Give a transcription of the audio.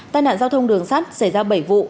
tai nạn giao thông đường sắt xảy ra bảy vụ